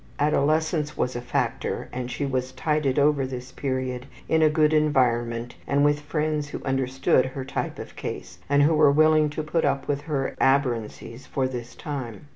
Adolescence was a factor and she was tided over this period in a good environment and with friends who understood her type of case and who were willing to put up with her aberrancies for this time.